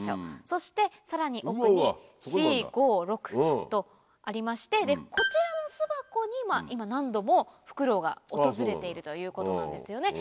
そしてさらに奥に４５６とありましてこちらの巣箱に今何度もフクロウが訪れているということなんですよね。